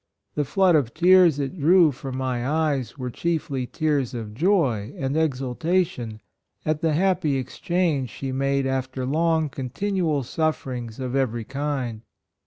The flood of tears it drew from my eyes were chiefly tears of joy and exul tation at the happy exchange she made after long continual suffer ings of every kind.